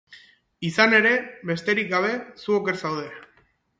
Izan ere, besterik gabe, zu oker zaude.